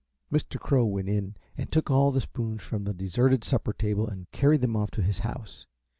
Mr. Crow went in and took all the spoons from the deserted supper table and carried them off to his house.